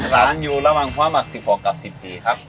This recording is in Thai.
ร้านอยู่ระหว่างภาค๑๖กับ๑๔ครับ